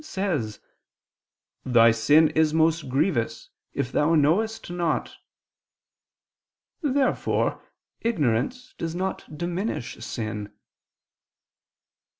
says: "Thy sin is most grievous if thou knowest not." Therefore ignorance does not diminish sin.